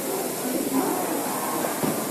Ad tt-tseggmeḍ?